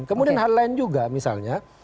kemudian hal lain juga misalnya